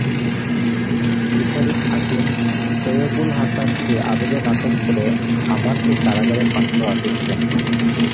বিচারিক হাকিম তৈয়বুল হাসান সেই আবেদন নাকচ করে আমানকে কারাগারে পাঠানোর আদেশ দেন।